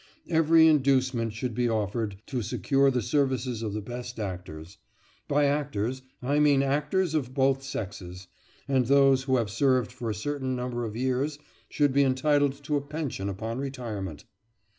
Every inducement should be offered to secure the services of the best actors; by actors, I mean actors of both sexes; and those who have served for a certain number of years should be entitled to a pension upon retirement.